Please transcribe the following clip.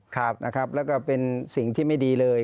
ครับนะครับแล้วก็เป็นสิ่งที่ไม่ดีเลย